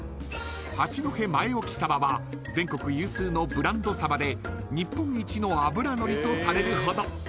［八戸前沖さばは全国有数のブランドサバで日本一の脂のりとされるほど］